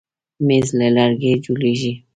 مېز له لرګي جوړېږي.